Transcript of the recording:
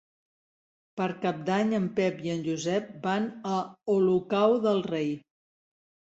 Per Cap d'Any en Pep i en Josep van a Olocau del Rei.